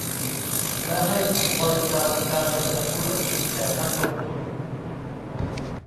และให้บริการการดำเนินธุรกิจแก่นักลงทุน